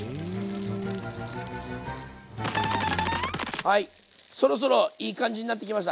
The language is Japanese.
はいそろそろいい感じになってきました。